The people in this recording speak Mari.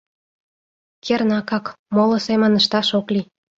Кернакак, моло семын ышташ ок лий.